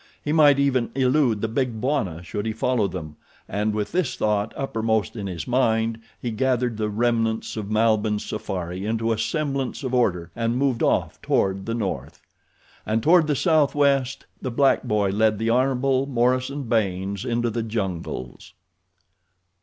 He might even elude the Big Bwana should he follow them, and with this thought uppermost in his mind he gathered the remnants of Malbihn's safari into a semblance of order and moved off toward the north. And toward the southwest the black boy led the Hon. Morison Baynes into the jungles.